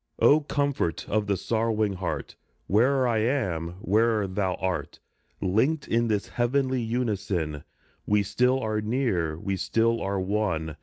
Oh, comfort of the sorrowing heart ! Where'er I am, where'er thou art, Linked in this heavenly unison We still are near, we still are one